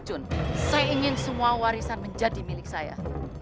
saya ingin semua warisan menjadi milik saya